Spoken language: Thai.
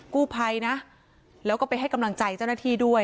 กู้ภัยนะแล้วก็ไปให้กำลังใจเจ้าหน้าที่ด้วย